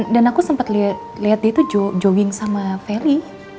dan aku sempat lihat dia tuh jogging sama feli